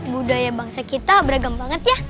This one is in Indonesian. budaya bangsa kita beragam banget ya